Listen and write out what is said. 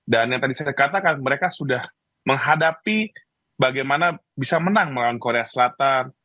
dan yang tadi saya katakan mereka sudah menghadapi bagaimana bisa menang melawan korea selatan